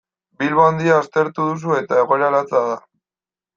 Bilbo Handia aztertu duzu eta egoera latza da.